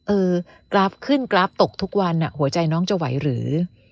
เออกราฟขึ้นกราฟตกทุกวันหัวใจน้องจะไหวหรือ